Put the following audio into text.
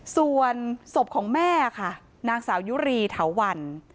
ส่วนศพของแม่ค่ะนางสาวยุรีเถาวัน